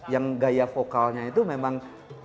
yang gaya vokalnya itu memang